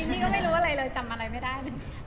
พี่ก็ไม่รู้อะไรเลยจำอะไรไม่ได้